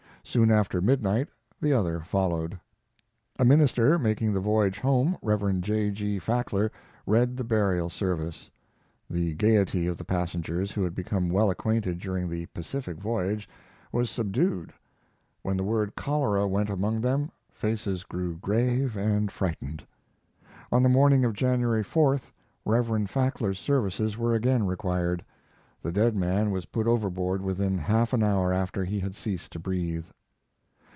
Soon after midnight, the other followed. A minister making the voyage home, Rev. J. G. Fackler, read the burial service. The gaiety of the passengers, who had become well acquainted during the Pacific voyage, was subdued. When the word "cholera" went among them, faces grew grave and frightened. On the morning of January 4th Reverend Fackler's services were again required. The dead man was put overboard within half an hour after he had ceased to breathe.